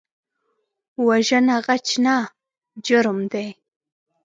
وژنه غچ نه، جرم دی